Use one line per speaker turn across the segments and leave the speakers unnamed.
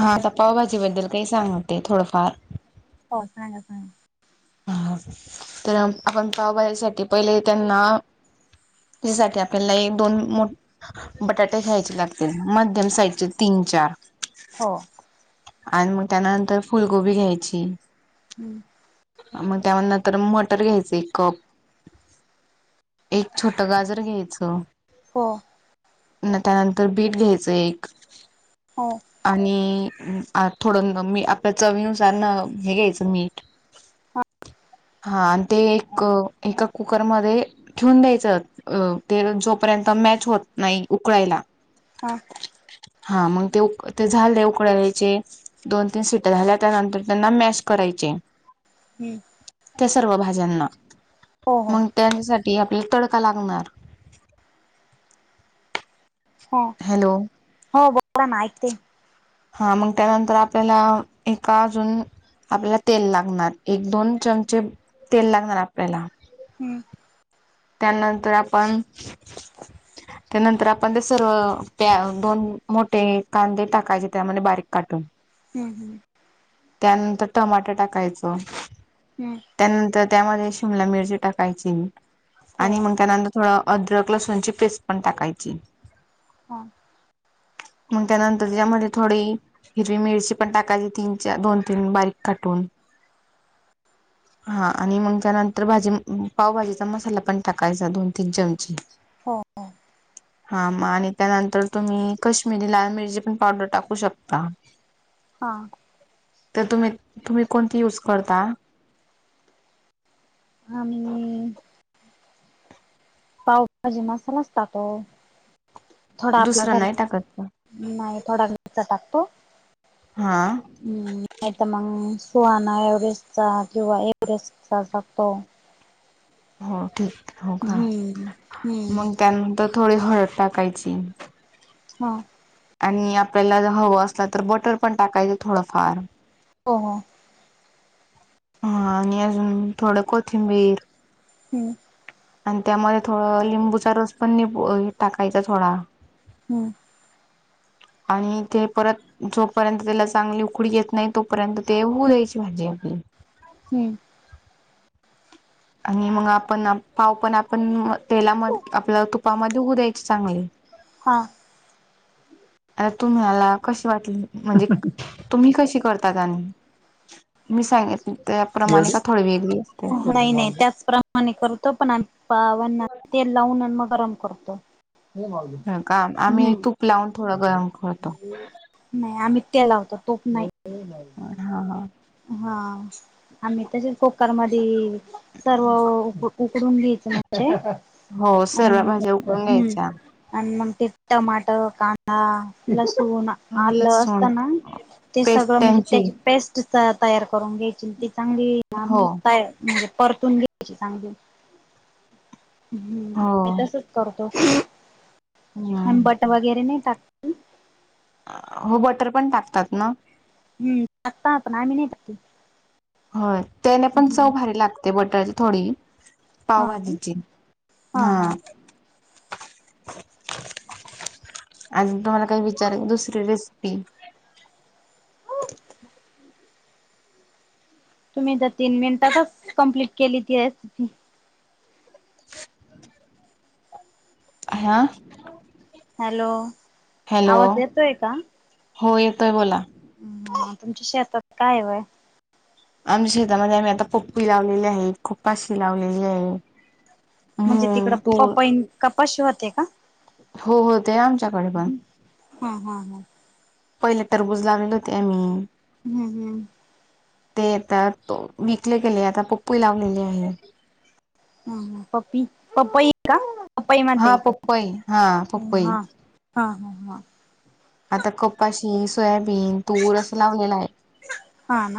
हा आता पावभाजी बद्दल काही सांगते थोडंफार
हो सांगा सांगा
हा तर आपण पावभाजीसाठी पहिले त्यांना त्याजीसाठी आपल्याला एक दोन मोठ बटाटे घ्यायचे लागतील मध्यम साईजचे तीन चार
हो.
आणि म त्यानंतर फुलगोबी घ्यायची.
हम्म
म त्यामध्ये नंतर मटर घ्यायचं एक कप एक छोट गाजर घ्यायचं.
हो.
पुन्हा त्यानंतर बीट घ्यायचं एक
हो.
आणि आ थोडं मी आपल्या चवीनुसार न हे घ्यायचं मीठ
हां
हा आणि ते एक एका कुकरमध्ये ठेऊन द्यायचं अ ते जोपर्यंत मॅच होत नाही उकळायला
हा
हा मंग ते उक ते झाले उकळवायचे दोन तीन शिट्टया झाल्या त्यानंतर त्यांना मॅश करायचे.
हम्म
त्या सर्व भाज्यांना
हो हो
मंग त्यासाठी आपल्याला तडका लागणार
हो.
हॅलो.
हो बोला ना ऐकते.
हा मग त्यानंतर आपल्याला एका अजून आपल्याला तेल लागणार एक दोन चमचे तेल लागणार आपल्याला
हं
त्यानंतर आपण त्यानंतर आपण ते सर्व प्या दोन मोठे कांदे टाकायचे त्यामध्ये बारीक काटून.
हम् हम.
त्यानंतर टमाटा टाकायचं,
हं.
त्यानंतर त्यामध्ये शिमला मिरची टाकायची
हो
आणि मग त्यानंतर थोडं अद्रक लसूणची पेस्ट पण टाकायची.
हो
मग त्यानंतर त्यामध्ये थोडे हिरवी मिरची पण टाकायची तीन चार दोन तीन बारीक काटून. हा. आणि मग त्यानंतर भाजी पावभाजी मसाला पण टाकायचा दोन तीन चमचे.
हो
हां मग आणि त्यानंतर तुम्ही कश्मीरी लाल मिरची पण पावडर टाकू शकता.
हां.
तर तुम्ही तुम्ही कोणती यूज करता?
आम्ही पावभजी मसाला असत तो थोडा आपला
दुसरा नाही टाकत का
घरी नाही थोडा घरचा टाकतो.
हा.
ह् नाही तर मग सुहाणा एव्हरेस्टचा किंवा एव्हरेस्ट चा टाकतो.
हो ठीक हो का
हं हं
मग त्यानंतर थोडी हळद टाकायची.
हा.
आणि आपल्याला हवं असला तर बटर पण टाकायचं थोडंफार.
हो हो.
हा आणि अजून थोडं कोथिंबीर.
हम्म.
आणि त्यामध्ये थोडं लिंबूचा रस पण नि टाकायचा थोडा.
हम्म.
आणि ते परत जोपर्यंत त्याला चांगली उकडी येत नाही तोपर्यंत तेवऊ द्यायची भाजी आपली.
हम्म.
आणि मग आपण पाव पण आपण तेलामध्ये आपल्या तुपामध्ये होऊ द्यायचे चांगले.
हा.
आता तुम्हाला कशी वाटली म्हणजे तुम्ही कशी कर ता आणि मी सांगित त्याप्रमाणे का
एवढी
थोडी वेगळी असत्या?
नाही नाही त्याचप्रमाणे करतो पण आम्ही पावना तेल लावून आणि मग गरम करतो.
का आम्ही
हम्म.
तूप लावून थोडं गरम करतो
नाही आम्ही तेल लावतो तुप नाही.
हा हा.
हा आम्ही त्याच्या कुकरमध्ये सर्व उक डून घ्यायचं म्हजे
हो सर्व भाज्या उकडून घ्यायच्या.
अ म ते टमाट कांदा लसूण आलं
लसूण
असताना ते
पेस्ट
सगळं म्हणजे
त्यांची
त्याची पेस्ट त तयार करून घ्यायची ती चांगली ना
हो
परतून घ्यायची चांगली हम्म
हो
मी तसच करतो. आणि
हम्म
बट वगैरे नाही टाकत
हो बटर पण टाकतात ना?
हम्म टाकतात आपण आम्ही नाही टाकीत.
हो त्याने पण चव भारी लागते बटरची थोडी
हा का
पावभाजीची हा. अजून तुम्हाला काही विचार दुसरी रेसिपी?
तुम्ही द तीन मिनिटातच कम्प्लीट केली ती रेसिपी.
ह.
Hello
hello.
आवाज येतोय का?
होय येतोय बोला.
तुमच्या शेतात काय व्हाय?
आमच्या शेतामध्ये आम्ही आता पप्पी लावलेली आहे. खोपाशी लावलेली आहे.
म्हणजे
हम्म
तिकडं
तूर
पपई कपाशी होते का?
हो- हो ते आमच्याकडे पण.
हा- हा - हा.
पहिले तरबुज लागले होते आम्ही.
हम्म - हम्म.
ते आता विकले गेले आता पप्पू लावलेले आहे.
हा हम्म पप्पी पपई का? पपई म्हणता
हा पप्पई हा
इकडं
पप्पई
हा. हा- हा - हा.
आता कपाशी सोयाबीन तूर असं लावलेलं आहे.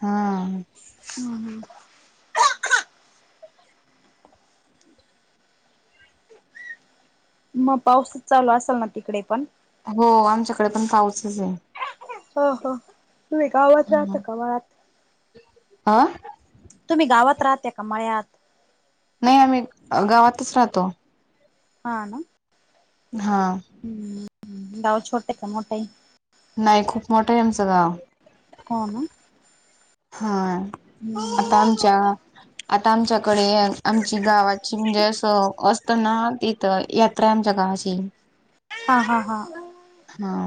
हा.
हम्म - हम्म. मग पाऊसच चालू असेल ना तिकडे पण?
हो आमच्याकडे पण पाऊसच आहे.
ह -ह तुम्ही गावात राहता का मळ्यात?
आ.
तुम्ही गावात राहतात का मळ्यात?
नाही आम्ही गावातच राहतो.
हा ना.
हा.
हम्म गाव छोटे का मोठ ये?
नाही खूप मोठं आहे आमचं गाव.
हो ना.
हा आता
हम्म.
आमच्या आता आमच्याकडे आमची गावाची म्हणजे असं असत ना तर यात्रा आमच्या गावाची.
हा - हा - हा.
हा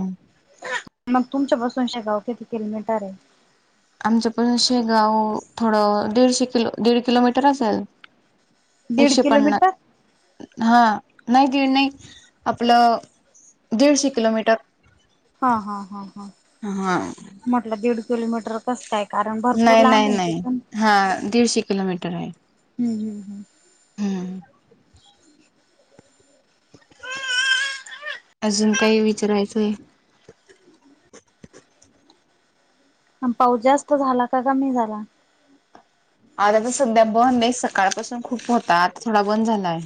मग तुमच्या पासून शेगाव किती किलोमीटर आहे?
आमच पण शेगाव थोडं दीडशे किलो दीड किलोमीटर असलं.
दीड
एकशे पन्ना
किलोमीटर
हा नाही दीड नाही आपलं दीडशे किलोमीटर.
हा हा हा हा,
हा
म्हटलं दीड किलोमीटर कस काय? कारण भरपूर
नाही
लांब
नाही
आहे ते
नाही,
पण
हा दीडशे किलोमीटर आहे.
हम् ह्म ह्
हम्म. अजून काही विचारायचंय?
पाऊस जास्त झाला का कमी झाला-
आता तर सध्या बंद आहे सकाळपासून खूप होता आता थोडा बंद झालाय.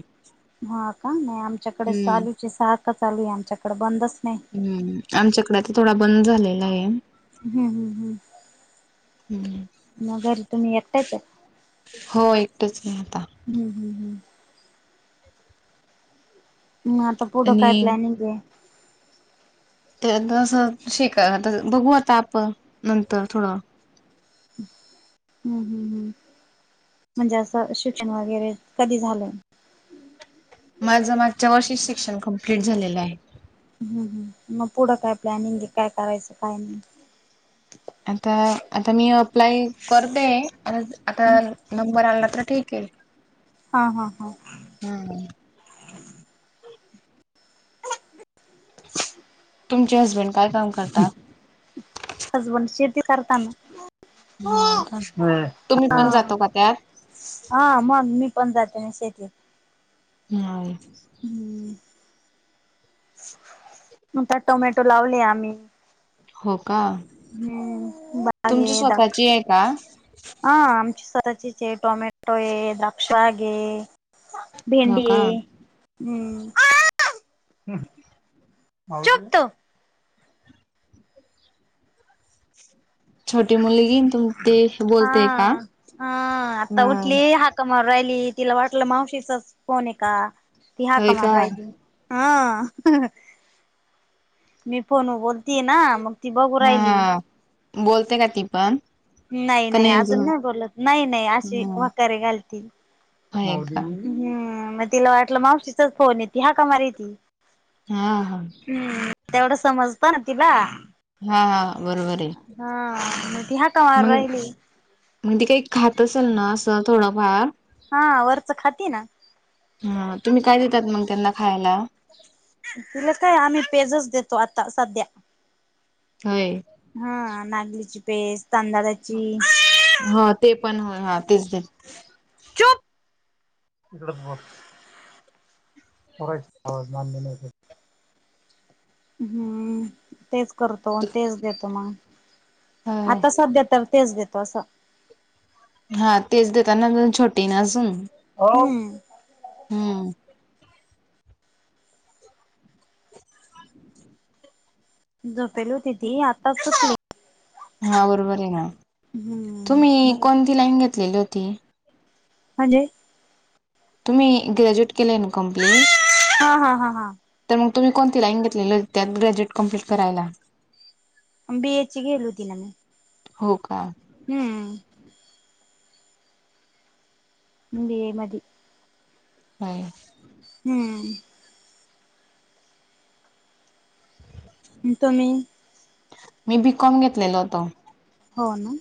हा का नाही आमच्याकडे
हम्म
चालूचे सारखा चालू आहे आमच्याकड बंदच नाही.
हम्म आमच्याकडे आता थोडा बंद झालेला आहे.
हम्म हम्म हम्म
हम्म
मग घरी तुम्ही एकट्याच हेत?
हो एकटच की आता.
हम्म हम्म हम्म. मग आता पुढं काय
आणि
प्लॅनिंग आहे?
ते तसं शिका त बघू आता आप नंतर थोडं.
हम्म हम्म हम्म, म्हणजे असं शिक्षण वगैरे कधी झाल?
माझं मागच्या वर्षी शिक्षण कम्प्लीट झालेलं आहे.
हम्म हम्म मग पुढं काय प्लॅनिंग आहे काय करायचं काय नाही?
आता आता मी अप्लाय करते हे? अरज आता
हं.
नंबर आला तर ठीक आहे.
हा हा हा.
हम्म. तुमचे हजबंड काय? काम करतात?
हजबंड शेती करता ना.
हय का तुम्ही पण
हा.
जातो का त्यात?
हा मग मी पण जाते ना शेतीत.
नाही.
हम्म. आता टोमॅटो लावले आम्ही.
हो का,
हं. बाग
तुमची
आहे दाक
स्वतःची आहे का?
हा आमची स्वतःचीच आहे टोमॅटो आहे, द्राक्षाग आहे.
हो
भेंडी
का
हे उम्म. माऊली झोपतो.
छोटी मुलगीन तुम ते बोलतेय का
हा
हा.
कमारु राहिली तिला वाटलं मावशीचाच फोन आहे का ती हाका
होय का
मारु राहिली. ह. मी फोनव बोलतीय ना मग ती बघू राहिली
ह बोलते का ती पण?
नाही नाही अजून नाही बोलत, नाही नाही अशी
हा
व्हकारे घालती.
होय
माऊली
का
ह म तिला वाटलं मावशीचाच फोन हे ती हाका मारीती,
हा हा
हम्म. तेवढं समजत ना तिला.
हा हा, बरोबर आहे.
ह म ठी हात
मग मग ते काही खात असेल ना असं थोडंफार
हा वरचं खाती ना
हा तुम्ही काय देतात मग त्यांना खायला?
तिला काय आम्ही पेजस देतो आता सध्या
होय.
हा नागलीची पेज, तांदळाची
हा ते पण होय हा तेच तेच
चूप [inaudible] हम्म, तेच करतो अन तेच देतो मग
हो.
आता सब देतल तेच देतो असं.
हा तेच देताना ग छोटी आहे ना अजून.
ओम.
हम्म.
झोपेल होती ती आताच उठली.
हा बरोबर आहे ना.
हम्म
तुम्ही
मग
कोणती लाईन घेतलेली होती?
म्हणजे?
तुम्ही ग्रॅज्युएट केलय ना कंप्लीट
हा हा हा हा.
तर मग तुम्ही कोणती लाईन घेतलेली त्या ग्रॅज्युएट कंप्लीट करायला?
बी एच ए घेत होती न मी
हो का.
हम्म. ब एच मधी
होय
हम्म. तुम्ही
मी बी कॉम घेतलेल होत.
हो ना.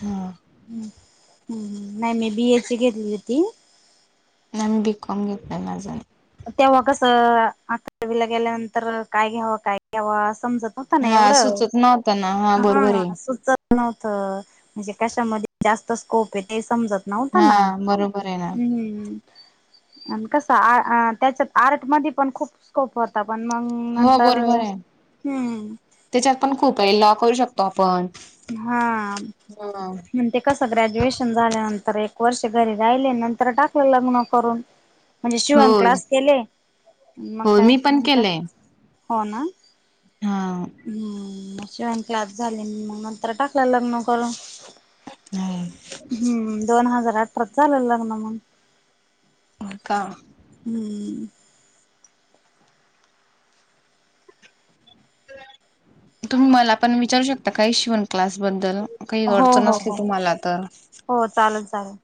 हा.
नाही मी बी एच ए घेतली होती.
नाही मी बी कॉम घेतन माझ
तेव्हा कस अकरावीला गेल्यानंतर काय घ्यावं काय घ्याव समजत नव्हतं ना
हा
एवढं
सुचत नव्हतं ना बरोबर
हा,
आहे.
सुचत नव्हतं म्हणजे कशामध्ये जास्त स्कोप आहे ते समजत नव्हतं
हा
ना
बरोबर आहे ना.
हम्म आणि कस आ त्याच्यात आर्ट म पण खूप स्कोप होता पण मग
हो
नंतर
बरोबर आहे
हम्म.
त्याच्यात पण खूप आहे लॉ करू शकतो आपण
हा
ह
म्हणते कस ग्रॅज्युएशन झाल्यानंतर एक वर्ष घरी राहिले नंतर टाकलं लग्न करून म्हणजे शिवण
होय
क्लास केले मग
होय
काय
मी पण
मंग तर,
केलंय
हो ना.
हा
हम्म म शिवण क्लास झाली मग नंतर टाकल लग्न करून
हो
हम्म दोन हजार अठरात झाल लग्न मग
होय का.
हम्म.
तुम्ही मला पण विचारू शकता काही शिवण क्लास बद्दल काही
हो
अडचण
हो
असली
हो
तुम्हाला तर
हो चालेल चालेल